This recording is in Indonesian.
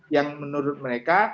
yang menurut mereka